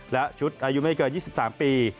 และชุดอายุไม่เกิน๒๓ปี